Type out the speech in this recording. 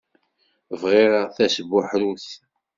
Bɣiɣ tasbuḥrut.